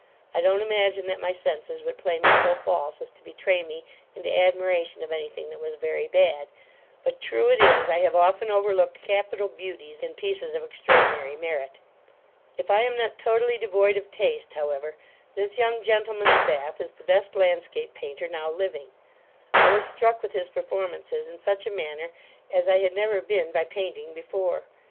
I don't imagine that my senses would play me so false, as to betray me into admiration of any thing that was very bad; but, true it is, I have often overlooked capital beauties, in pieces of extraordinary merit. If I am not totally devoid of taste, however, this young gentleman of Bath is the best landscape painter now living: I was struck with his performances in such a manner, as I had never been by painting before.